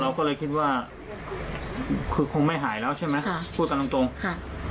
เราก็เลยคิดว่าคือคงไม่หายแล้วใช่ไหมพูดตามตรง